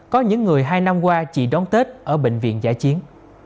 có những người hai năm qua chỉ đón tết ở bệnh viện giả chiến